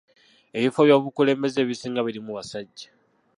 Ebifo by'obukulembeze ebisinga birimu basajja.